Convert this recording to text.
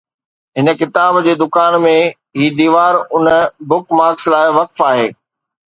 هن ڪتاب جي دڪان ۾، هي ديوار انهن بک مارڪس لاء وقف آهي